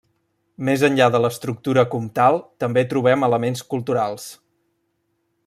Més enllà de l'estructura comtal també trobem elements culturals.